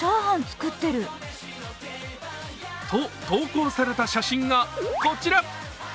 投稿された写真がこちら。